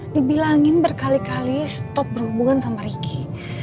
dibilangin berkali kali stop berhubungan sama ricky